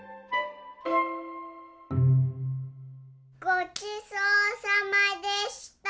ごちそうさまでした。